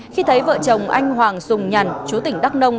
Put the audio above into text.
khi thấy vợ chồng anh hoàng dùng nhàn chú tỉnh đắk nông